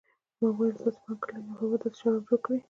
ما وویل: ستاسې په اند کله چې یو هېواد داسې شراب جوړ کړي.